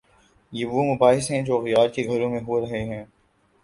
یہ وہ مباحث ہیں جو اغیار کے گھروں میں ہو رہے ہیں؟